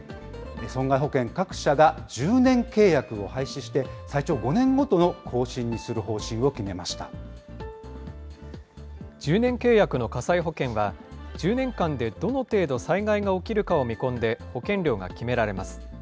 損害保険各社が１０年契約を廃止して、最長５年ごとの更新にする１０年契約の火災保険は、１０年間でどの程度、災害が起きるかを見込んで保険料が決められます。